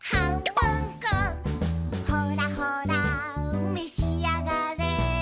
「ほらほらめしあがれ」